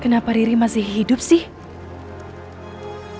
kenapa riri masih hidup sih